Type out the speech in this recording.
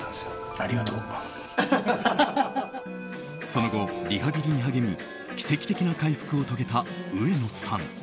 その後、リハビリに励み奇跡的な回復を遂げた上野さん。